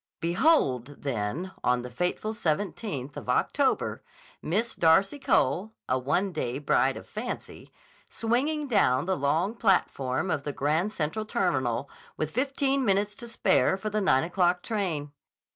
Behold, then, on the fateful 17th of October, Miss Darcy Cole, a one day bride of fancy, swinging down the long platform of the Grand Central Terminal with fifteen minutes to spare for the nine o'clock train.